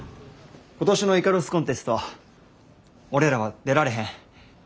今年のイカロスコンテスト俺らは出られへん。